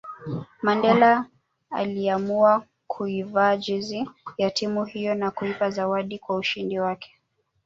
Mandela aliiamua kuivaa jezi ya timu hiyo na kuipa zawadi kwa ushindi wake